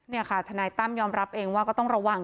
นี่ค่ะทนายตั้มยอมรับเองว่าก็ต้องระวัง